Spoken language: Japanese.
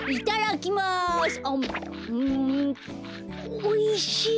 おいしい！